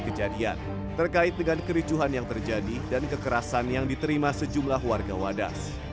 kejadian terkait dengan kericuhan yang terjadi dan kekerasan yang diterima sejumlah warga wadas